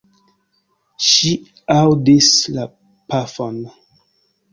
Ŝi aŭdis la pafon.